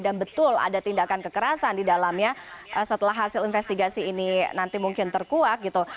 dan betul ada tindakan kekerasan di dalamnya setelah hasil investigasi ini nanti mungkin terkuak gitu